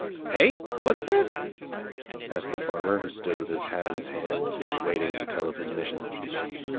I "Heyl What's that?" asked the farmer who stood Pwith his hat in his hand waiting to tell of his mission.